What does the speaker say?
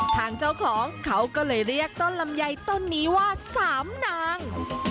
ทางเจ้าของเขาก็เลยเรียกต้นลำไยต้นนี้ว่าสามนาง